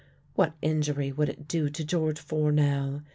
What injury would it do to George Fournel!